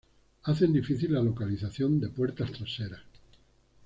hacen difícil la localización de puertas traseras